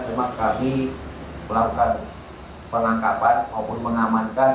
memang kami melakukan penangkapan maupun mengamankan